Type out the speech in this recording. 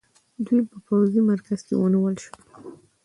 دوی په پوځي مرکز کې ونیول شول.